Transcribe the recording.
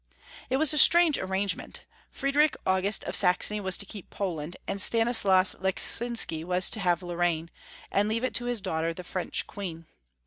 It was a strange arrangement — Friedrich August of Saxony was to keep Poland, and Stanis las Lecksinsky was to have Lorraine, and leave it to his daughter, the French Queen.